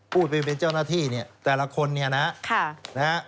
ผู้เป็นเจ้าหน้าที่แต่ละคนนี้นะครับ